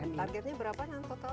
targetnya berapa nang toto